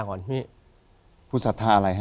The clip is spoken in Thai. คุณสัทธาอะไรครับ